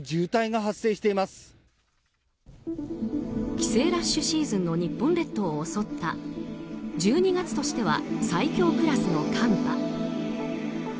帰省ラッシュシーズンの日本列島を襲った１２月としては最強クラスの寒波。